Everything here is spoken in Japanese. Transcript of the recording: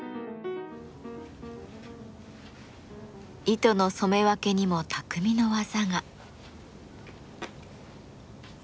糸の染め分けにも匠の技が。